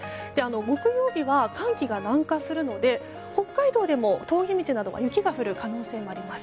木曜日は寒気が南下するので北海道でも峠道で雪が降る可能性があります。